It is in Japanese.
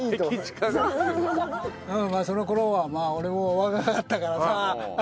まあその頃は俺も若かったからさ。